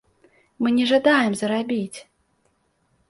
Мы не жадаем зарабіць!